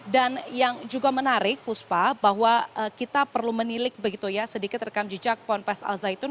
dan yang juga menarik puspa bahwa kita perlu menilik begitu ya sedikit rekam jejak pompes al zaitun